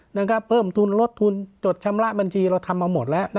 เพิ่มทุนลดทุนจดชำระบัญชีเราทำมาหมดแล้ว